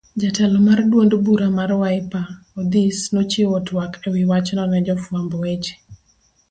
Jatelo mar duond bura mar Wiper, Odhis nochiwo twak ewi wachno ne jofuamb weche.